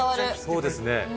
そうですね。